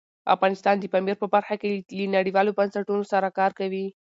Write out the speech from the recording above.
افغانستان د پامیر په برخه کې له نړیوالو بنسټونو سره کار کوي.